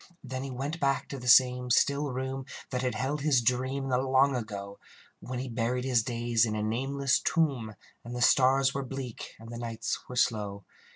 Then he went back to the same still room That had held his dream in the long ago, When he buried his days in a nameless tomb, And the stars were bleak, and the nights were slow.